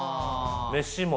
飯も。